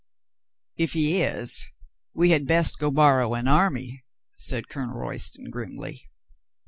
"If he is, we had best go borrow an army," said Colonel Royston grimly.